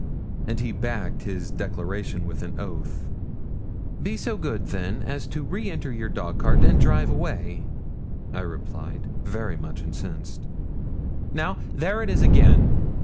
And he backed his declaration with an oath. 'Be so good, then, as to re enter your dog cart and drive away,' I replied, very much incensed. 'Now, there it is again!